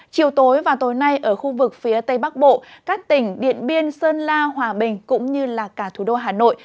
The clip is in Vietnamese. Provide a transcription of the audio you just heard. chiều tối và tối nay ở khu vực phía tây bắc bộ các tỉnh điện biên sơn la hòa bình cũng như cả thủ đô hà nội